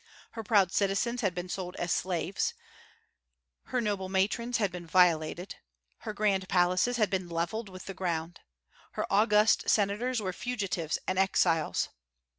Her proud citizens had been sold as slaves; her noble matrons had been violated; her grand palaces had been levelled with the ground; her august senators were fugitives and exiles.